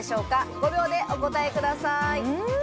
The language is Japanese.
５秒でお答えください。